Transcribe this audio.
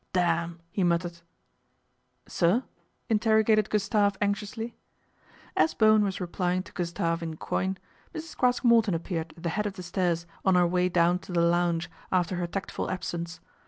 " Damn !" he muttered. " Sir ?" interrogated Gustave anxiously. As Bowen was replying to Gustave in coin, Mrs. Craske Morton appeared at the head of the stairs on her way down to the lounge after her tactful absence.